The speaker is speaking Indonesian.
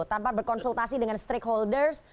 tanpa berkonsultasi dengan stakeholders